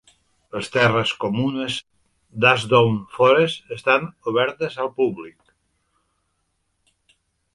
Les terres comunes d'Ashdown Forest estan obertes al públic.